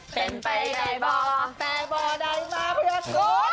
เป็นไปใดบ่แฟบ่ใดมาเพียดโกรธ